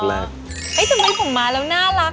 จริงก็ไม่ไม่ผมมาแล้วน่ารักนะ